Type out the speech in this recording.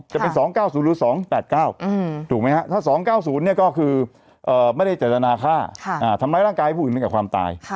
จะเป็น๒๙๐หรือ๒๘๙ถูกไหมครับถ้า๒๙๐เนี่ยก็คือไม่ได้จัดจนาฆ่าทำร้ายร่างกายผู้หญิงในการความตาย